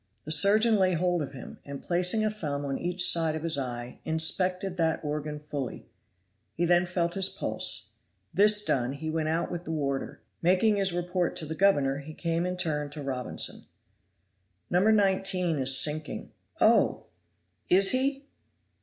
The surgeon laid hold of him, and placing a thumb on each side of his eye, inspected that organ fully. He then felt his pulse; this done, he went out with the warder. Making his report to the governor, he came in turn to Robinson. "No. 19 is sinking." "Oh! is he?